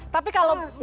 tapi kalau menurut